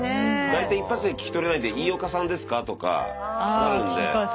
大体一発で聞き取れないんで「いいおかさんですか」とかなるんで。